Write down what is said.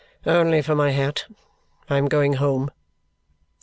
"Only for my hat. I am going home."